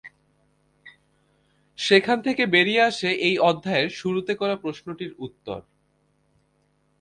সেখানে বেরিয়ে আসে এই অধ্যায়ের শুরুতে করা প্রশ্নটির উত্তর।